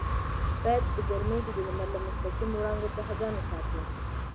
باید په ګرمۍ کې د لمر له مستقیمو وړانګو څخه ځان وساتو.